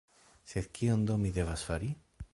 Sed kion do mi devas fari?